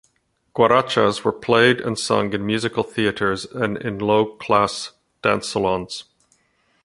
Guarachas were played and sung in musical theatres and in low-class dance salons.